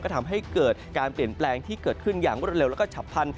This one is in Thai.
ทำให้เกิดการเปลี่ยนแปลงที่เกิดขึ้นอย่างรวดเร็วแล้วก็ฉับพันธ